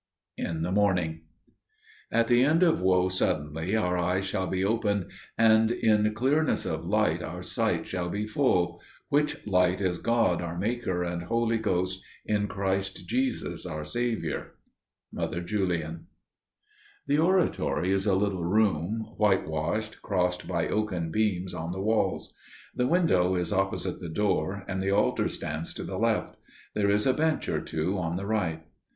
In the Morning "At the end of woe suddenly our eyes shall be opened, and in clearness of light our sight shall be full: which light is God, our Maker and Holy Ghost, in Christ Jesus our Saviour." Mother Julian. In the Morning THE oratory is a little room, white washed, crossed by oaken beams on the walls. The window is opposite the door; and the altar stands to the left. There is a bench or two on the right.